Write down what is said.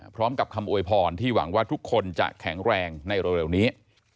พร้อมกับคำอวยพรที่หวังว่าทุกคนจะแข็งแรงในเร็วนี้